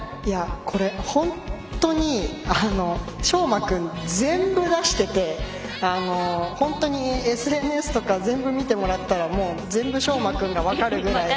これ、本当に昌磨君、全部出してて本当にＳＮＳとか全部見てもらったらもう全部、昌磨君が分かるぐらい。